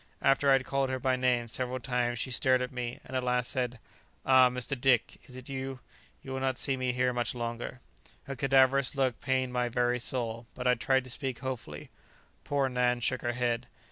After I had called her by name several times she stared at me, and at last said, "Ah, Mr. Dick, is it you? you will not see me here much longer." Her cadaverous look pained my very soul, but I tried to speak hopefully. Poor Nan shook her head.